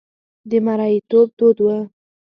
د مریتوب دود و.